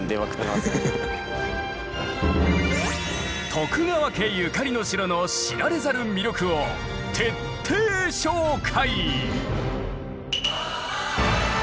徳川家ゆかりの城の知られざる魅力を徹底紹介！